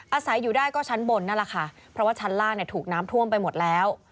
อาศัยอยู่ได้ก็ชั้นบนนั่นแหละค่ะเพราะว่าชั้นล่างเนี่ยถูกน้ำท่วมไปหมดแล้ว